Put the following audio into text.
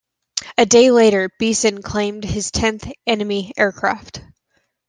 A day later Beeson claimed his tenth enemy aircraft.